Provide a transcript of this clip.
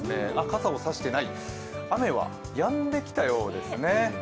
傘を差していない、雨はやんできたようですね。